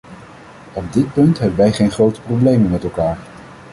Op dit punt hebben wij geen grote problemen met elkaar.